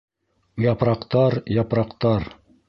Япраҡтар, япраҡтар...